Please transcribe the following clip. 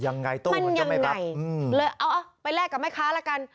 ยังไงตู้มันจะไม่ปรับมันยังไงไปแลกกับแม่ค้าละกัน